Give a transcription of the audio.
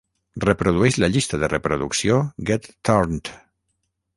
Reprodueix la llista de reproducció Get Turnt.